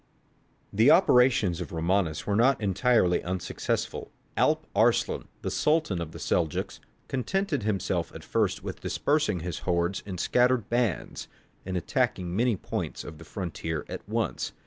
The operations of Romanus were not entirely unsuccessful. Alp Arslan, the Sultan of the Seljouks, contented himself at first with dispersing his hordes in scattered bands, and attacking many points of the frontier at once.